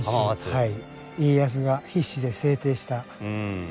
はい。